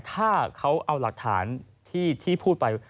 ถ้าเขาเอาหลักฐานที่พูดไป